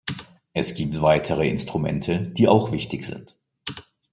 Es gibt weitere Instrumente, die auch wichtig sind.